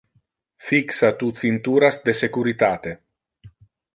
Fixa tu cincturas de securitate!